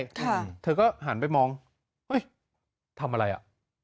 ค่ะเธอก็หันไปมองเฮ้ยทำอะไรอ่ะ